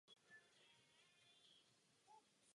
Komedie byla úspěšná.